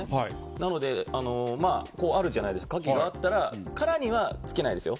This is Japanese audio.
なので、あるじゃないですか、カキがあったら、殻にはつけないですよ。